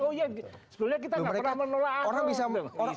oh iya sebelumnya kita tidak pernah menolak ahok